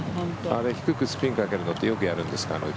低くスピンをかけるのってよくやるんですか？